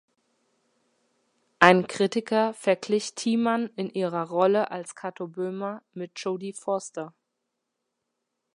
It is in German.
Ein Kritiker verglich Thiemann in ihrer Rolle als Cato Böhmer mit Jodie Foster.